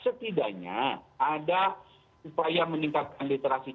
setidaknya ada upaya meningkatkan literasi